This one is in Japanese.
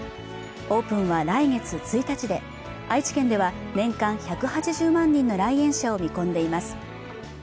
オープンは来月１日で愛知県では年間１８０万人の来園者を見込んでいます